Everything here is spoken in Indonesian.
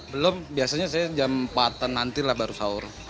belum biasanya saya jam empat an nanti lah baru sahur